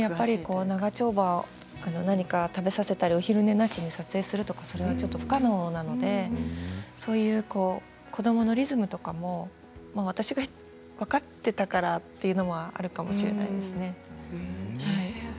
長丁場、何か食べさせたりお昼寝なしに撮影するのは不可能なので子どものリズムとかも私が分かっていたからというのはあるかもしれないです。